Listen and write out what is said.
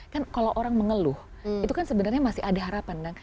kan kalau orang mengeluh itu kan sebenarnya masih ada harapan kan